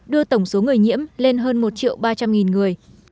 đưa tổng số người nhiễm lên hơn một triệu ba trăm linh người